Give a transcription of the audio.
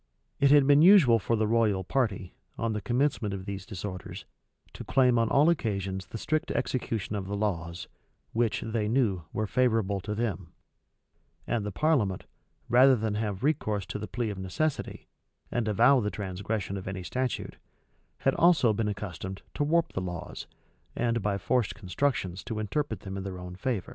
It had been usual for the royal party, on the commencement of these disorders, to claim on all occasions the strict execution of the laws, which, they knew, were favorable to them; and the parliament, rather than have recourse to the plea of necessity, and avow the transgression of any statute, had also been accustomed to warp the laws, and by forced constructions to interpret them in their own favor.